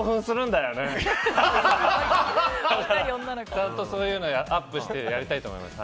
だから、ちゃんとそういうのアップしたいと思います。